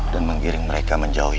dan menggiring mereka menjauhi jakarta